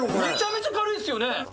めちゃめちゃ軽いですよね。